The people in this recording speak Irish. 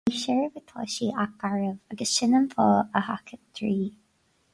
Ní searbh atá sí ach garbh agus sin an fáth a seachantar í